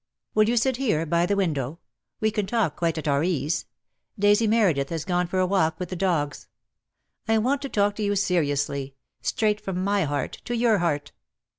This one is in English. "Will you sit here, by the window. We can talk quite at our ease. Daisy Meredith has gone for a walk with the dogs. I want to talk to you seriously^ straight from my heart to your heart."